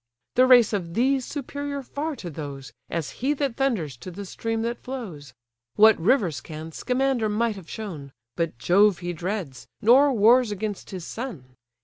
The race of these superior far to those, As he that thunders to the stream that flows. What rivers can, Scamander might have shown; But Jove he dreads, nor wars against his son.